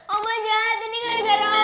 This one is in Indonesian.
oma jahat ini ga ada gara oma